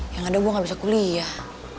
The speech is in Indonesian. ya enggak deh gue gak bisa kuliah